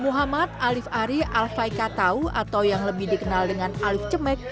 muhammad alif ari al faikatau atau yang lebih dikenal dengan alif cemek